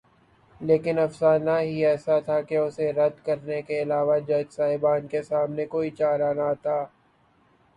لیکن افسانہ ہی ایسا تھا کہ اسے رد کرنے کے علاوہ جج صاحبان کے سامنے کوئی چارہ نہ تھا۔